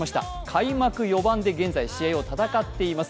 開幕４番で現在、試合を戦っています。